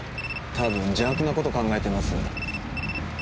たぶん邪悪な事考えてます。